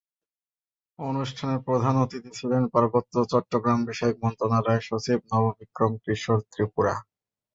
অনুষ্ঠানে প্রধান অতিথি ছিলেন পার্বত্য চট্টগ্রামবিষয়ক মন্ত্রণালয়ের সচিব নববিক্রম কিশোর ত্রিপুরা।